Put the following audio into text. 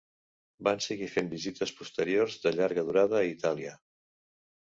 Van seguir fent visites posteriors de llarga durada a Itàlia.